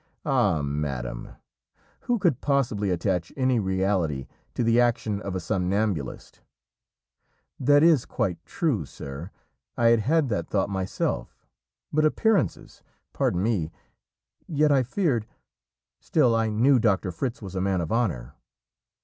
"Ah! madam, who could possibly attach any reality to the action of a somnambulist?" "That is quite true, sir; I had had that thought myself, but appearances pardon me yet I feared still I knew Doctor Fritz was a man of honour."